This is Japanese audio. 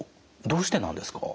どうしてなんですか？